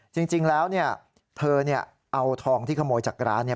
จริงแล้วเธอเอาทองที่ขโมยจากร้าน